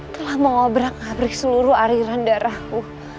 telah mengobrak abrik seluruh ariran darahku